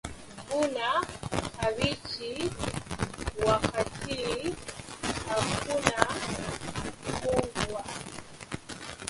Vuna kabichi wakati hakuna mvua.